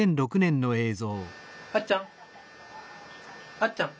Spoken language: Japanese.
あっちゃん？